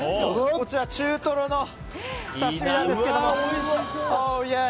こちら中トロの刺し身なんですけどもオーイエイ。